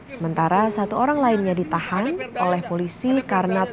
sementara satu orang lainnya ditahan oleh polisi karena takut